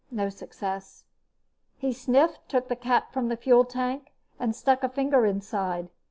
No success. He sniffed, took the cap from the fuel tank and stuck a finger inside.